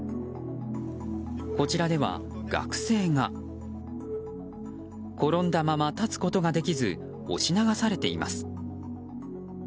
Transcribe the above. こちらでは、学生が転んだまま、立つことができず押し流されています。